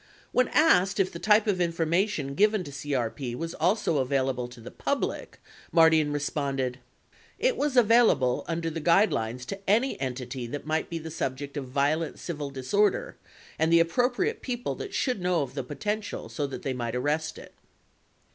6 When asked if the type of information given to CRP was also available to the public, Mardian responded : It was available under the guidelines to any entity that might be the subject of violent civil disorder and the appro priate people that should know of the potential so that they might arrest it.